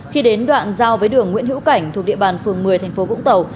khi đến đoạn giao với đường nguyễn hữu cảnh thuộc địa bàn phường một mươi tp vũng tàu